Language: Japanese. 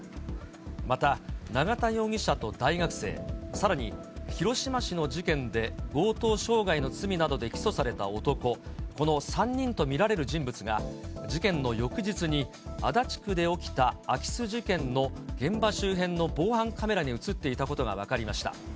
また永田容疑者と大学生、さらに広島市の事件で強盗傷害の罪などで起訴された男、この３人と見られる人物が、事件の翌日に、足立区で起きた空き巣事件の現場周辺の防犯カメラに写っていたことが分かりました。